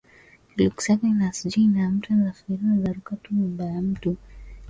Anaogopa sindano sana